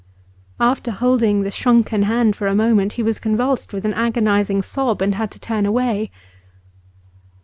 After holding the shrunken hand for a moment he was convulsed with an agonising sob, and had to turn away.